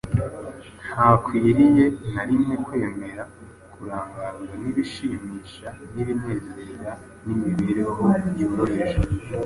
ntakwiriye na rimwe kwemera kurangazwa n’ibishimisha n’ibinezeza n’imibereho yoroheje.